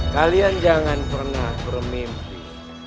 kalian jangan pernah bermimpi